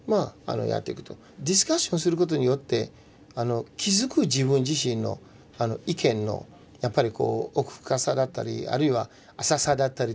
ディスカッションすることによって気付く自分自身の意見のやっぱりこう奥深さだったりあるいは浅さだったりとかっていうのがあるんですよね。